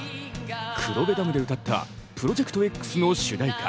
黒部ダムで歌った「プロジェクトＸ」の主題歌